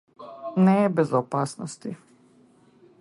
Не е без опасности.